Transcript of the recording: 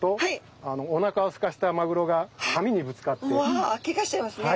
わあけがしちゃいますね。